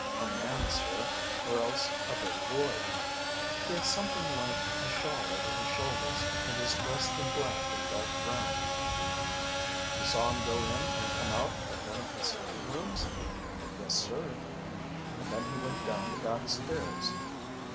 "A man, sir, or else a big boy. He had something like a shawl over his shoulders and was dressed in black or dark brown." "You saw him go in and come out of one of the sleeping rooms?" "Yes, sir." "And then he went down the back stairs?"